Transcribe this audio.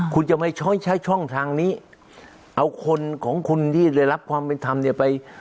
คุณจะไม่ใช้ช่องทางนี้เอาคนของคุณที่ได้รับความเป็นธรรมเนี่ยไป